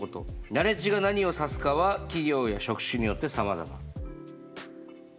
ナレッジが何を指すかは企業や職種によってさまざま。